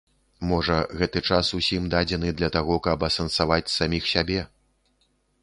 Можа, гэты час усім дадзены для таго, каб асэнсаваць саміх сябе.